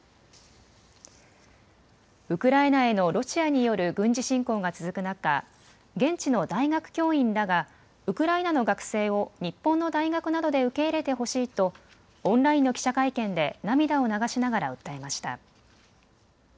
ウクライナへのロシアによる軍事侵攻が続く中、現地の大学教員らがウクライナの学生を日本の大学などで受け入れてほしいとオンラインの記者会見で涙を流しながら訴えました。